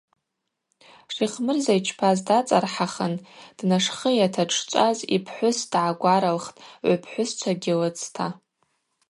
Шихмырза йчпаз дацӏархӏахын днашхыйата дшчӏваз йпхӏвыс дгӏагваралхтӏ гӏвпхӏвысчвагьи лыцта.